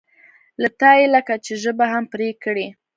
له تا یې لکه چې ژبه هم پرې کړې.